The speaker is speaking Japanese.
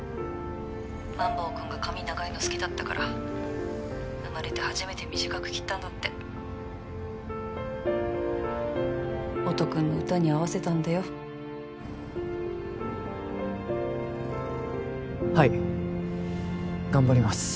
☎マンボウ君が髪長いの好きだったから☎生まれて初めて短く切ったんだって音君の歌に合わせたんだよはい頑張ります